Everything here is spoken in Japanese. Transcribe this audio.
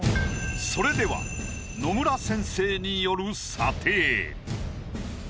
それでは野村先生による。